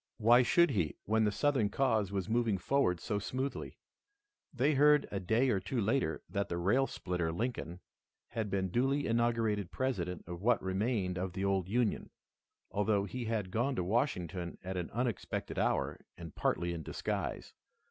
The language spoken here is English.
Why should he, when the Southern cause was moving forward so smoothly? They heard a day or two later that the rail splitter, Lincoln, had been duly inaugurated President of what remained of the old Union, although he had gone to Washington at an unexpected hour, and partly in disguise.